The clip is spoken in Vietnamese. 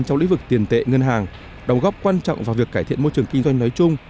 trong lĩnh vực tiền tệ ngân hàng đồng góp quan trọng vào việc cải thiện môi trường kinh doanh nói chung